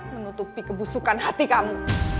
menutupi kebusukan hati kamu